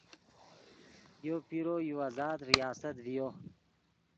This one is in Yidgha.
یو پیرو یو آزاد ریاست ڤئی